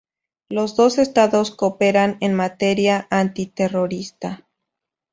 Los dos estados cooperan en materia antiterrorista.